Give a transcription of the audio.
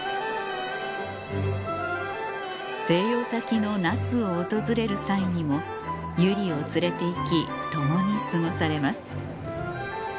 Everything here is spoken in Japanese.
静養先の那須を訪れる際にも由莉を連れて行き共に過ごされます